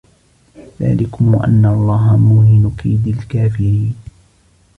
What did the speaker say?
ذلكم وأن الله موهن كيد الكافرين